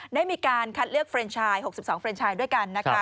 ได้มีการคัดเลือกเฟรนชาย๖๒เฟรนชายด้วยกันนะคะ